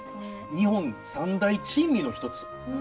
日本三大珍味の一つ。